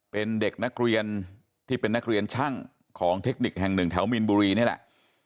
เป็นเด็กนักเรียนที่เป็นนักเรียนช่างของเทคนิคแห่งหนึ่งแถวมีนบุรีนี่แหละ